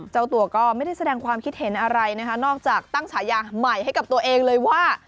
เจ้าตัวก็ไม่ได้แสดงความคิดเห็นอะไรนะคะนอกจากตั้งฉายาใหม่ให้กับตัวเองเลยว่า